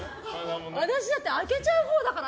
私、だって開けちゃうほうだから。